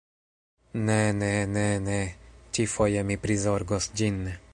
Ne, ne, ne, ne. Ĉi-foje mi prizorgos ĝin.